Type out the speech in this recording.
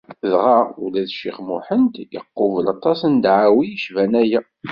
Dɣa ula d Ccix Muḥend iqubel aṭas n ddεawi yecban aya.